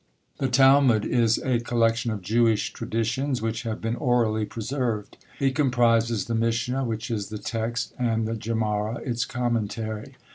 The TALMUD is a collection of Jewish traditions which have been orally preserved. It comprises the MISHNA, which is the text; and the GEMARA, its commentary.